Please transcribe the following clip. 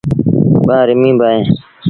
ٻآ رميݩ با اوهيݩ۔